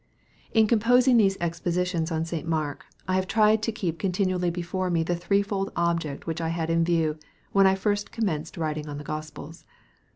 iv PBEFACE. In composing these Expositions on St. M.'irk, I have tried to keep continually before me the three fold object which I had in view, when I first commenced writing on the Gospels.